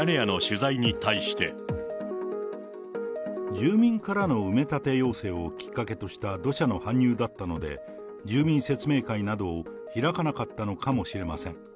住民からの埋め立て要請をきっかけとした土砂の搬入だったので、住民説明会などを開かなかったのかもしれません。